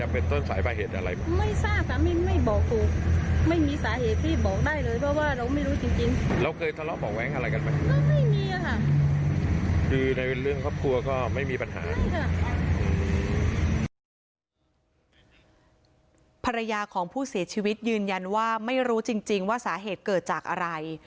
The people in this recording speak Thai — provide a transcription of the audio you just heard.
ภรรยาของผู้เสียชีวิตยืนยันว่าไม่รู้จริงว่าสาเหตุเกิดจากอะไร